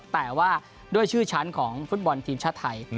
แต่ว่าด้วยชื่อชั้นของฟุตบอลทีมชาติไทย